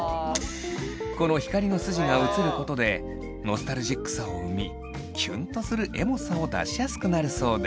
この光の筋が写ることでノスタルジックさを生みキュンとするエモさを出しやすくなるそうです。